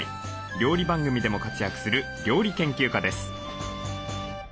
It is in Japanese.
料理番組でも活躍する料理研究家です。